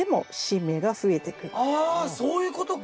あそういうことか！